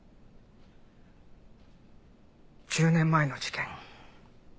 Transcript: １０年前の事件